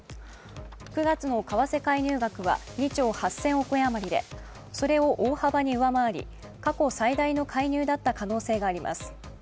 ９月の為替介入額は２兆８０００億円余りでそれを大幅に上回り、過去最大の介入だった可能性があります。